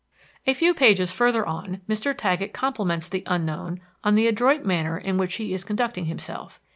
A few pages further on Mr. Taggett compliments the Unknown on the adroit manner in which he is conducting himself.